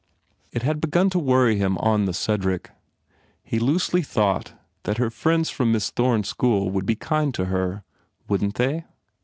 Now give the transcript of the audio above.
It had begun to worry him on the Cedrlc. He loosely thought that her friends from Miss Thome s school would be kind to her. Wouldn t they?